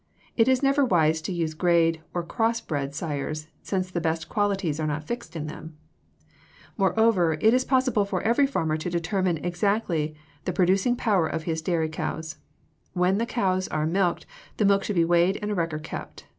It is never wise to use grade, or cross bred, sires, since the best qualities are not fixed in them. [Illustration: FIG. 250. HEAD OF A GALLOWAY COW] Moreover, it is possible for every farmer to determine exactly the producing power of his dairy cows. When the cows are milked, the milk should be weighed and a record kept.